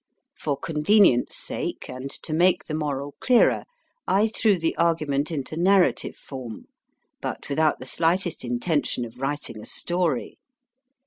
For convenience sake, and to make the moral clearer, I threw the argument into narrative form, but without the slightest intention of writing a story.